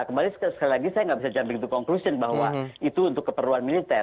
kembali sekali lagi saya tidak bisa jambing ke konklusi bahwa itu untuk keperluan militer